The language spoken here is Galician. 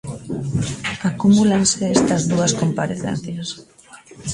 Acumúlanse estas dúas comparecencias.